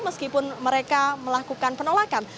meskipun mereka melakukan penolakan